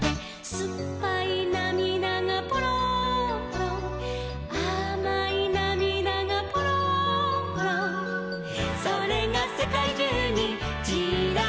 「すっぱいなみだがぽろんぽろん」「あまいなみだがぽろんぽろん」「それがせかいじゅうにちらばって」